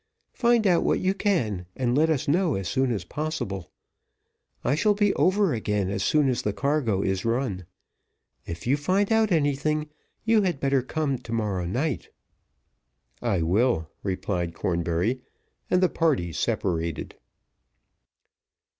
Find out what you can, and let us know as soon as possible. I shall be over again as soon as the cargo is run; if you find out anything, you had better come to morrow night." "I will," replied Cornbury; and the parties separated.